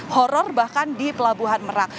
horror bahkan di pelabuhan merak